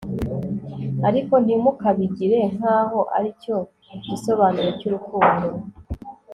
ariko ntimukabigire nk'aho aricyo gisobanuro cy'urukundo